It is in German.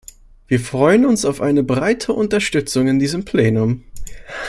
Wir freuen uns auf eine breite Unterstützung in diesem Plenum.